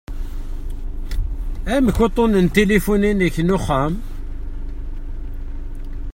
Amek uṭṭun n tilifu-inek n uxxam?